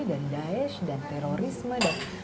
dan daesh dan terorisme